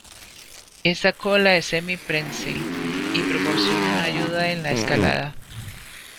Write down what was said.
Esta cola es semi- prensil y proporciona una ayuda en la escalada.